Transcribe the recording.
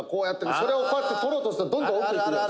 「それを、こうやって取ろうとするとどんどん奥にいくやつ。